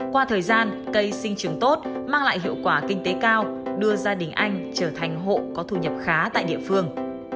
qua thời gian cây sinh trưởng tốt mang lại hiệu quả kinh tế cao đưa gia đình anh trở thành hộ có thu nhập khá tại địa phương